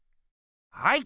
はい！